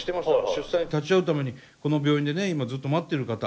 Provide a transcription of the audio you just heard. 出産に立ち会うためにこの病院でね今ずっと待ってる方。